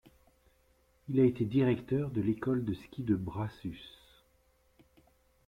Il a été directeur de l'école de ski du Brassus.